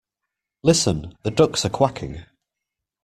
Listen! The ducks are quacking!